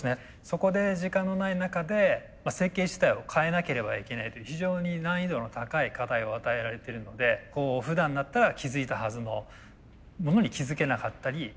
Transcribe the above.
そこで時間のない中で設計自体を変えなければいけないという非常に難易度の高い課題を与えられているのでふだんだったら気付いたはずのものに気付けなかったり。